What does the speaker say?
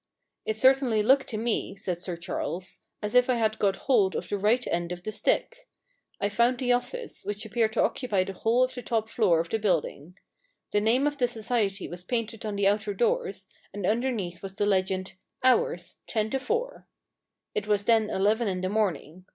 * It certainly looked to me,' said Sir Charles, * as if I had got hold of the right end of the stick. I found the office, which appeared to occupy the whole of the top floor of the building. The name of the society was painted on the outer door, and underneath was the legend, Hours, Ten to Four." It was then eleven in the morning.